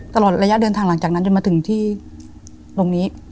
ตลอดระยะเดินทางหลังจากนั้นจนมาถึงที่ตรงนี้